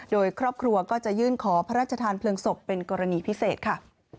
โดยครอบครัวก็จะยื่นขอพระราชทานเพลิงศพเป็นกรณีพิเศษค่ะ